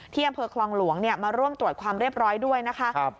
อำเภอคลองหลวงมาร่วมตรวจความเรียบร้อยด้วยนะคะ